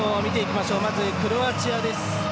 まずクロアチアです。